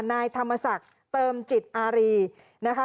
นายธรรมศักดิ์เติมจิตอารีนะคะ